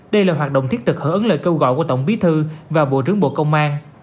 đây là hoạt động thiết thực hở ứng lời kêu gọi của tổng bí thư và bộ trưởng bộ công an